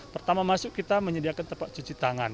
pertama masuk kita menyediakan tempat cuci tangan